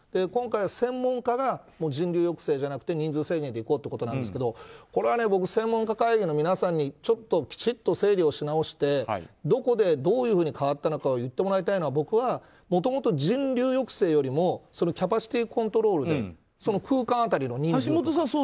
今回は専門家が人流抑制じゃなくて人数制限でいこうということなんですがこれは僕、専門家会議の皆さんにきちっと整理をし直してどこで、どういうふうに変わったのかを言ってもらいたいのは僕はもともと人流抑制よりもキャパシティーコントロールで空間で。